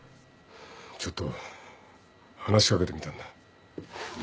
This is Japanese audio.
ちょっと話し掛けてみたんだ。